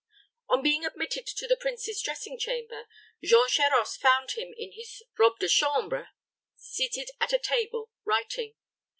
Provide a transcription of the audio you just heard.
On being admitted to the prince's dressing chamber, Jean Charost found him in his robe de chamber, seated at a table, writing.